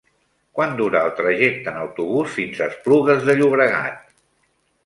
Quant dura el trajecte en autobús fins a Esplugues de Llobregat?